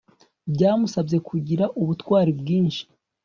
byamusabye kugira ubutwari bwinshi